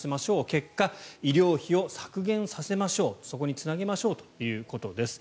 結果医療費を削減させましょうそこにつなげましょうということです。